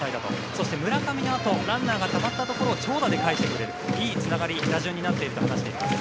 そして村上のあとランナーがたまったところ長打でかえしてくれるいいつながり打順になっていると話しています。